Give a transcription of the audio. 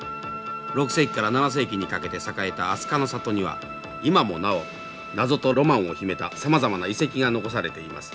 ６世紀から７世紀にかけて栄えた飛鳥の里には今もなお謎とロマンを秘めたさまざまな遺跡が残されています。